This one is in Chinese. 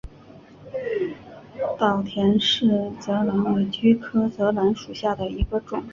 岛田氏泽兰为菊科泽兰属下的一个种。